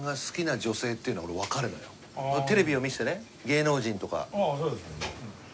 テレビを見ててね芸能人とか。